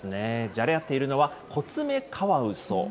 じゃれ合っているのは、コツメカワウソ。